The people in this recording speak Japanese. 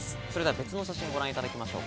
別の写真をご覧いただきましょう。